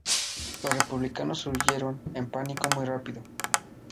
Los republicanos huyeron en pánico muy rápido.